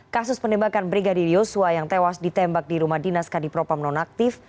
kasus penembakan brigadir yosua yang tewas ditembak di rumah dinas kadipropam nonaktif